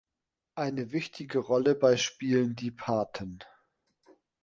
Eine wichtige Rolle bei spielen die Paten.